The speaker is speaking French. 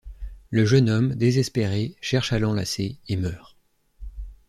Le jeune homme, désespéré, cherche à l'enlacer, et meurt.